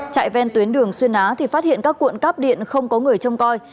chạy ven tuyến đường xuyến á thì phát hiện các cuộn cắp điện không có người trong coi